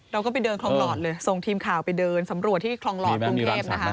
เราก็ไปเดินคลองหลอดเลยส่งทีมข่าวไปเดินสำรวจที่คลองหลอดกรุงเทพนะคะ